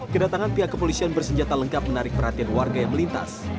kedatangan pihak kepolisian bersenjata lengkap menarik perhatian warga yang melintas